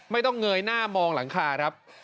ไม่ต้องเงยหน้ามองหลังคาครับ